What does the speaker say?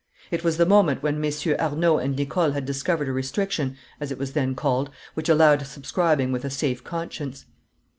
It was the moment when MM. Arnauld and Nicole had discovered a restriction, as it was then called, which allowed of subscribing with a safe conscience.